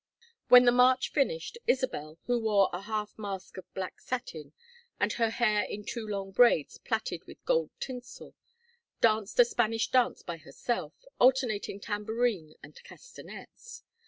When the march finished, Isabel, who wore a half mask of black satin, and her hair in two long braids plaited with gold tinsel, danced a Spanish dance by herself, alternating tambourine and castanets.